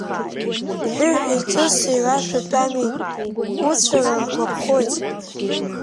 Ҳәыҳәи ҵыси рашәа тәами, уцәара ргәаԥхоит!